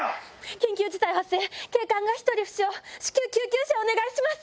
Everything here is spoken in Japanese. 緊急事態発生、警官が１人負傷、至急、救急車をお願いします。